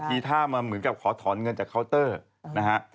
ทีท่ามาเหมือนกับขอถอนเงินจากเคาน์เตอร์นะฮะ